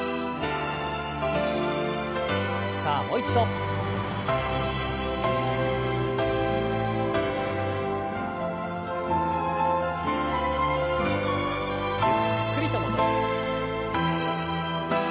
さあもう一度。ゆっくりと戻して。